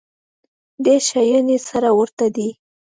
ډېر شیان یې سره ورته دي.